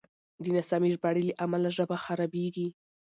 د ناسمې ژباړې له امله ژبه خرابېږي.